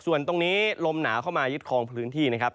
ส่วนตรงนี้ลมหนาวเข้ามายึดคลองพื้นที่นะครับ